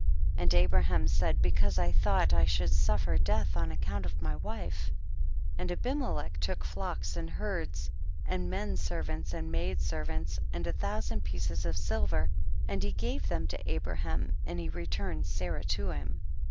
And Abraham said, because I thought I should suffer death on account of my wife ; and Abimelech took flocks and herds, and men ser vants and maid servants, and a thou sand pieces of silver, and he gave them to Abraham, and he returned Sarah to him.